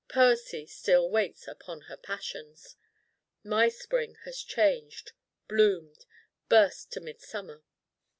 Poesy still waits upon her Passions. My Spring has changed, bloomed, burst to midsummer.